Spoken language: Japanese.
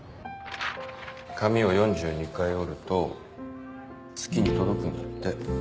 紙を４２回折ると月に届くんだって。